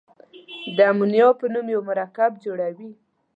د امونیا په نوم یو مرکب جوړوي.